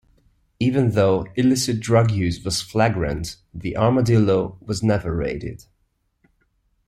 Even though illicit drug use was flagrant, the Armadillo was never raided.